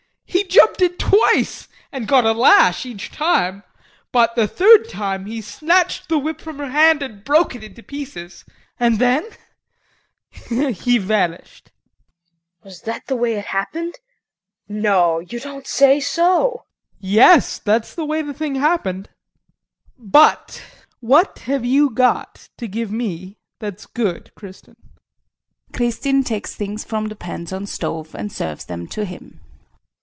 He jumped it twice and got a lash each time; but the third time he snatched the whip from her hand and broke it into pieces. And then he vanished! KRISTIN. Was that the way it happened? No, you don't say so! JEAN. Yes, that's the way the thing happened. But what have you got to give me that's good, Kristin? KRISTIN. [She takes things from the pans on stove and serves them to him.